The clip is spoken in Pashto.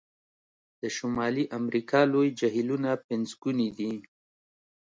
د شمالي امریکا لوی جهیلونه پنځګوني دي.